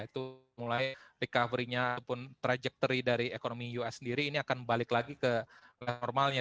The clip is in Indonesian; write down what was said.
itu mulai recovery nya ataupun trajectory dari ekonomi us sendiri ini akan balik lagi ke normalnya